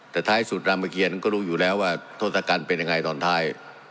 แต่ท้ายสุดรามเกียรนั้นก็รู้อยู่แล้วว่าทศกัณฐ์เป็นยังไงตอนท้าย